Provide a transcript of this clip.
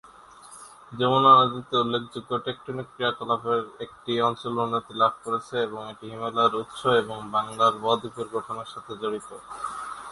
যমুনা নদীতে উল্লেখযোগ্য টেকটোনিক ক্রিয়াকলাপের একটি অঞ্চল উন্নতি লাভ করেছে এবং এটি হিমালয়ের উৎস এবং বাংলার বদ্বীপের গঠনের সাথে জড়িত।